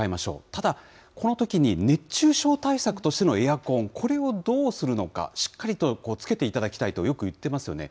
ただ、このときに、熱中症対策としてのエアコン、これをどうするのか、しっかりとつけていただきたいと、よく言っていますよね。